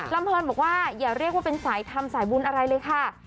เพลินบอกว่าอย่าเรียกว่าเป็นสายธรรมสายบุญอะไรเลยค่ะ